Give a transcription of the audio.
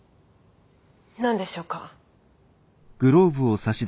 何でしょうか？